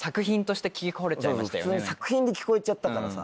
そうそう普通に作品で聴こえちゃったからさ。